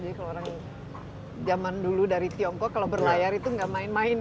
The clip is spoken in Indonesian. jadi kalau orang zaman dulu dari tiongkok kalau berlayar itu nggak main main ya